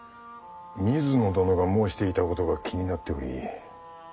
水野殿が申していたことが気になっており。